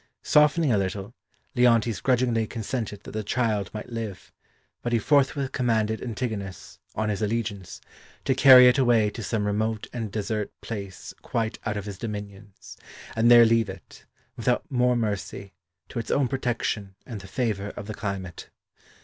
Softening a little, Leontes grudgingly consented that the child might live, but he forthwith commanded Antigonus, on his allegiance, to carry it away to some remote and desert place quite out of his dominions, and there leave it, without more mercy, to its own protection and the favour of the climate.